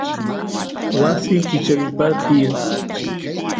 wasi kicharispa tiyan